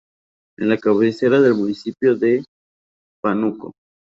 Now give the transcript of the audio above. Es la cabecera del municipio de Pánuco.